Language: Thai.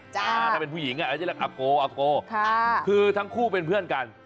ถ้าเป็นผู้หญิงอาจจะเรียกอาโกอาโกคือทั้งคู่เป็นเพื่อนกัน